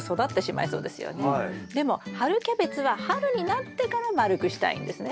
でも春キャベツは春になってから丸くしたいんですね